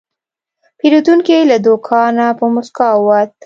پیرودونکی له دوکانه په موسکا ووت.